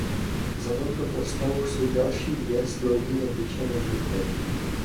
Za touto postavou jsou další dvě s dlouhými tyčemi v rukou.